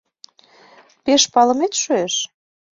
— Пеш палымет шуэш?